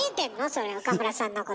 それ岡村さんのこと。